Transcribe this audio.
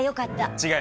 違う。